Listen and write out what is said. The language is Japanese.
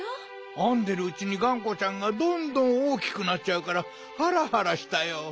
あんでるうちにがんこちゃんがどんどんおおきくなっちゃうからハラハラしたよ。